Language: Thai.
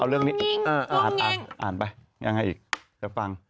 เอาเรื่องนี้อ่าอ่านไปยังไงอีกจะฟัง